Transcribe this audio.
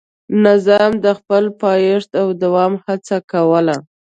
نظام د خپل پایښت او دوام هڅه کوله.